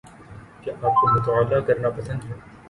کیا آپ کو مطالعہ کرنا پسند ہے